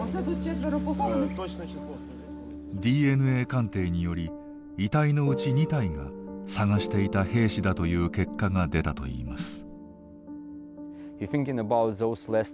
ＤＮＡ鑑定により遺体のうち２体が捜していた兵士だという結果が出たといいます。